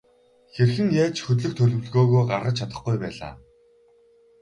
Хэрхэн яаж хөдлөх төлөвлөгөөгөө гаргаж чадахгүй байлаа.